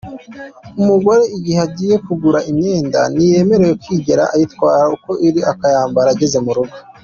Umugore igihe agiye kugura imyenda ntiyemerewe kwigera ayitwara uko iri akayambara ageze mu rugo.